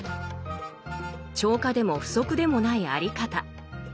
超過でも不足でもないあり方。